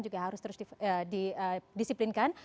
juga harus terus didisiplinkan